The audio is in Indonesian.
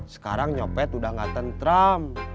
sekarang nyopet udah gak tentram